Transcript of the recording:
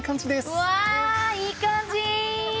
うわあいい感じ！